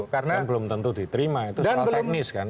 karena belum tentu diterima itu soal teknis kan